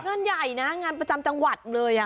งานใหญ่นะงานประจำจังหวัดเลย